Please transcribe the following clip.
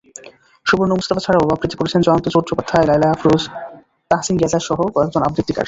সুবর্ণা মুস্তাফা ছাড়াও আবৃত্তি করেছেন জয়ন্ত চট্টোপাধ্যায়, লায়লা আফরোজ, তাহসিন রেজাসহ কয়েকজন আবৃত্তিকার।